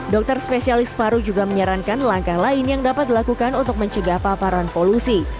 dokter spesialis paru juga menyarankan langkah lain yang dapat dilakukan untuk mencegah paparan polusi